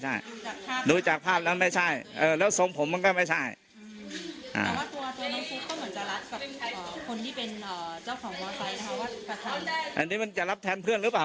ใช่ไหมล่ะจะรับแทนเพื่อนหรือเปล่าออกหน้าแทนหรือเปล่า